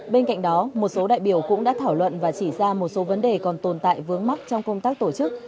bên cạnh đó một số đại biểu cũng đã thảo luận và chỉ ra một số vấn đề còn tồn tại vướng mắc trong công tác tổ chức